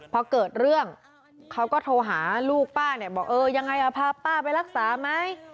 พอเกิดเรื่องเขาก็โทรหาลูกป้าเนี่ยบอกเออยังไงพาป้าไปรักษาไหม